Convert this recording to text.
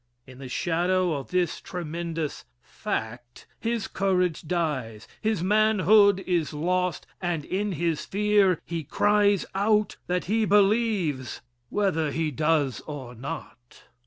In the shadow of this tremendous "fact" his courage dies, his manhood is lost, and in his fear he cries out that he believes, whether he does or not.